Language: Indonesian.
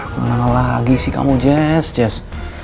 kenapa lagi sih kamu jess